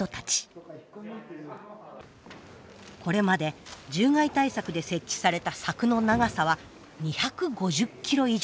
これまで獣害対策で設置された柵の長さは２５０キロ以上。